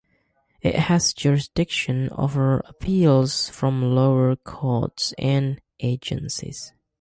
It has jurisdiction over appeals from lower courts and agencies.